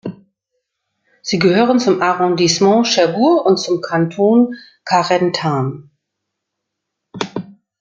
Sie gehört zum Arrondissement Cherbourg und zum Kanton Carentan.